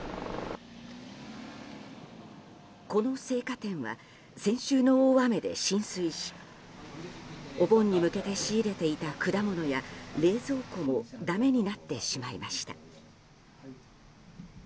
この青果店は先週の大雨で浸水しお盆に向けて仕入れていた果物や冷蔵庫もだめになってしまいました。